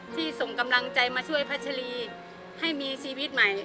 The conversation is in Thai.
ส่งกำลังใจมาช่วยพัชรีให้มีชีวิตใหม่